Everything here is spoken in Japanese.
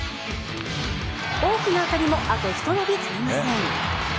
大きな当たりもあとひと伸び足りません。